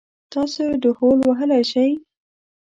تاسو ډهول وهلی شئ؟